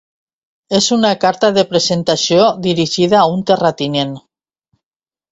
És una carta de presentació dirigida a un terratinent.